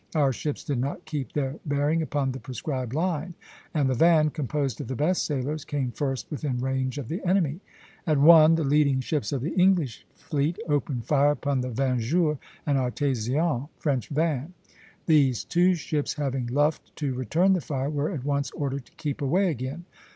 Our ships did not keep their bearing upon the prescribed line, and the van, composed of the best sailers, came first within range of the enemy. At one, the leading ships of the English fleet opened fire upon the 'Vengeur' and 'Artésien' [French van]. These two ships, having luffed to return the fire, were at once ordered to keep away again.